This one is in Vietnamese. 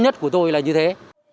nhất của tôi là như thế